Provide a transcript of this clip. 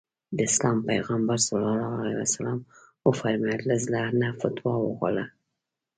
د اسلام پيغمبر ص وفرمايل له زړه نه فتوا وغواړه.